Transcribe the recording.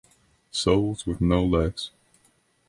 Souls with no legs.